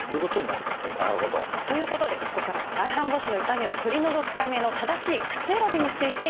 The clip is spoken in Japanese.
なるほど。ということでここからは外反母趾の痛みを取り除くための正しい靴選びについて見ていきます。